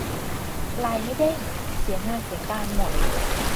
ไลน์ไม่เด้ง เสียงานเสียการหมด